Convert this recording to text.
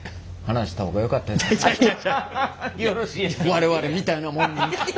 我々みたいなもんに。